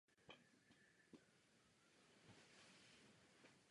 Do tohoto kostela přinesli svatí Cyril a Metoděj ostatky svatého Klementa.